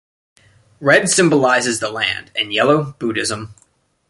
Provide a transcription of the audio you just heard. Red symbolises the land and yellow, Buddhism.